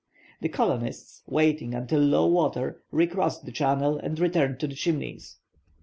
The colonists, waiting until low water, re crossed the channel and returned to the Chimneys.